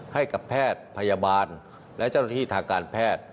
ให้กับแพทย์พยาบาลและเจ้าหน้าที่ทางการแพทย์